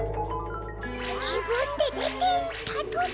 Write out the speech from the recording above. じぶんででていったとか！？